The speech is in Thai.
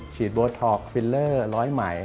ฉีดโบท็อกฟิลเลอร์รอยไหม